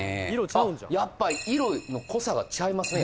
あっやっぱ色の濃さがちゃいますね